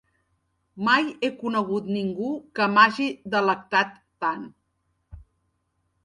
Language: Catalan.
Mai he conegut ningú que m'hagi delectat tant.